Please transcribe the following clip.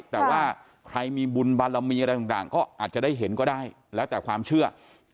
แต่ว่าใครมีบุญบารมีอะไรต่างก็อาจจะได้เห็นก็ได้แล้วแต่ความเชื่อ